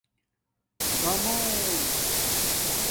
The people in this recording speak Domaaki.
درمݸن